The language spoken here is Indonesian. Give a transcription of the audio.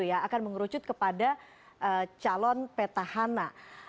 akan mengerucut kepada calon peta hana